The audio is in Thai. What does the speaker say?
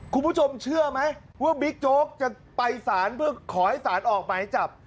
คุณผู้ชมเชื่อไหมว่าบิ๊กโจ๊กจะไปสารเพื่อขอให้สารออกหมายจับ